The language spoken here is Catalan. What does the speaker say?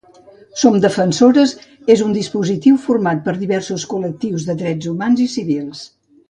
SomDefensores és un dispositiu format per diversos col·lectius de drets humans i civils.